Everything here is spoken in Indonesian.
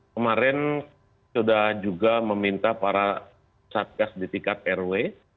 kemarin sudah juga meminta para satgas di tingkat rw